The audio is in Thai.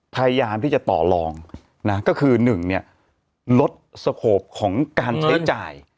พยายามที่จะต่อลองนะก็คือ๑เนี่ยลดสโขปของการใช้จ่าย